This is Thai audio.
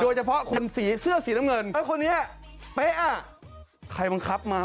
คนสีเสื้อสีน้ำเงินคนนี้เป๊ะอ่ะใครบังคับมา